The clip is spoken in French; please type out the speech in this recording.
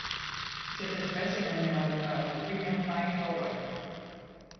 Cette espèce est nommée en l'honneur de William Mike Howell.